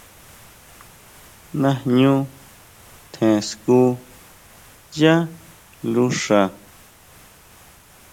Ñajñu tjen skú yá luxa.